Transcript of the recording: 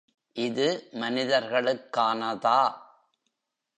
இது மனிதர்களுக்கானதா?